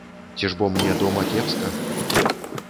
Ці ж бо мне дома кепска?